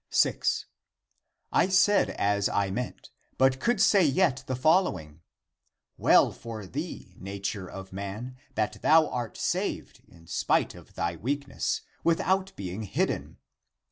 6. " I said as I meant, but could say yet the fol lowing : Well for thee, nature of man, that thou art saved in spite of thy weakness, without being hidden!